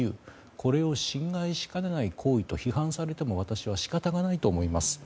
これを侵害しかねない行為と批判されても私は仕方がないと思います。